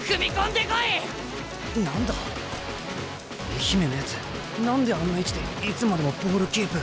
愛媛のやつ何であんな位置でいつまでもボールキープ。